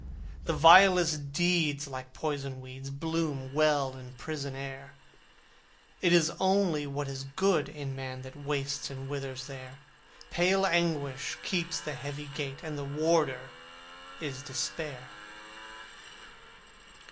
The vilest deeds like poison weeds Bloom well in prison air: It is only what is good in Man That wastes and withers there: Pale Anguish keeps the heavy gate, And the warder is Despair.